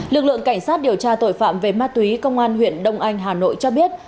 lực lượng cảnh sát điều tra tội phạm về ma túy công an huyện đông anh hà nội cho biết